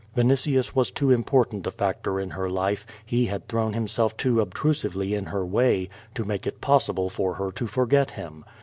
Vinitius was too important a factor in her life, he had thrown himself too obtrusively in her way, to make it possible for her to forget him.